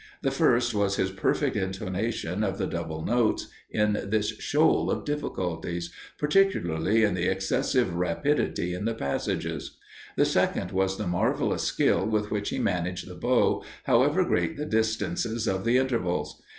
The first was his perfect intonation of the double notes in this shoal of difficulties, particularly in the excessive rapidity in the passages; the second was the marvellous skill with which he managed the bow, however great the distances of the intervals.